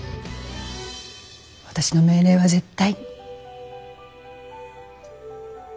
私の命令は絶対。